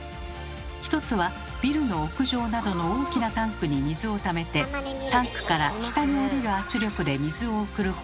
一つはビルの屋上などの大きなタンクに水をためてタンクから下におりる圧力で水を送る方法。